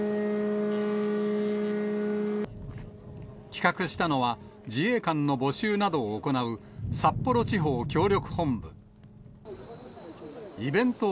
企画したのは、自衛官の募集などを行う札幌地方協力本部。